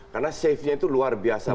karena safe nya itu luar biasa